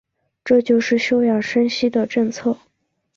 这就是休养生息的政策。